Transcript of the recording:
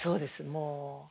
もう。